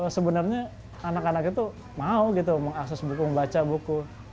sebenarnya anak anak itu mau gitu mengakses buku membaca buku